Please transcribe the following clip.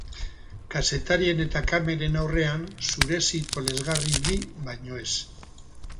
Kazetarien eta kameren aurrean zuresi tolesgarri bi baino ez.